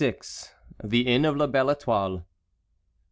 THE INN OF LA BELLE ÉTOILE.